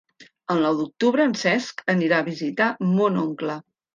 El nou d'octubre en Cesc anirà a visitar mon oncle.